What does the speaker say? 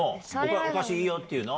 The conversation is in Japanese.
「お菓子いいよ」って言うの？